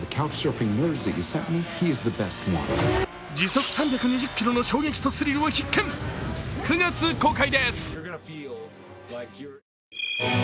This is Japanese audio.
時速３２０キロの衝撃とスリルは必見、９月公開です。